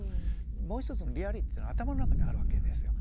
もう一つのリアリティーっていうのは頭の中にあるわけですよ。